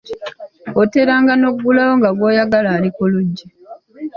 Oteranga n’oggulawo, nga gw'oyagala ali ku luggi.